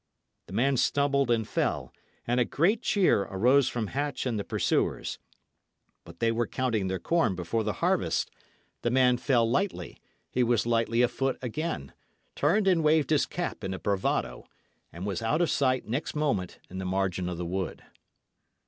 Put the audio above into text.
The man stumbled and fell, and a great cheer arose from Hatch and the pursuers. But they were counting their corn before the harvest. The man fell lightly; he was lightly afoot again, turned and waved his cap in a bravado, and was out of sight next moment in the margin of the wood.